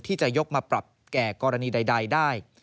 ที่จะยกมาปรับแก่กรณีใดได้